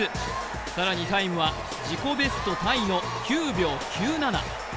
更にタイムは自己ベストタイの９秒９７。